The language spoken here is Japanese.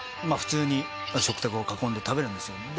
普通に食卓を囲んで食べるんですよ